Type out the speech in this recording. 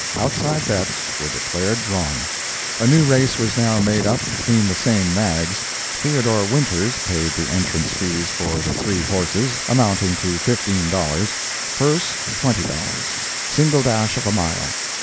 Outside bets were declared drawn. A new race was now made up between the same nags. Theo. Winters paid the entrance fees for the three horses, amounting to $15; purse, $20; single dash of a mile.